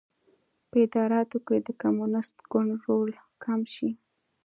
په اداراتو کې د کمونېست ګوند رول کم شي.